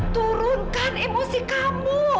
turunkan emosi kamu